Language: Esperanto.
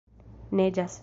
Neĝas.